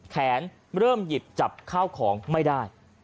เริ่มหยิบจับข้าวของไม่ได้